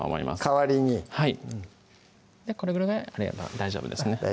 代わりにはいこれぐらいあれば大丈夫ですね